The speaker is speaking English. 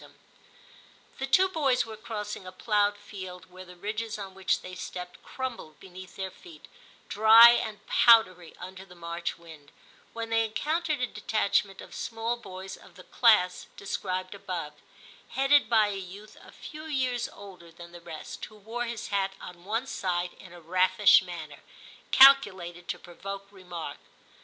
128 TIM CHAP. The two boys were crossing a ploughed field where the ridges on which they stepped crumbled beneath their feet, dry and powdery under the March wind, when they encountered a detachment of small boys of the class de scribed above, headed by a youth a few years older than the rest, who wore his hat on one side in a raffish manner, calculated to provoke remark.